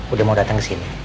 udah mau datang kesini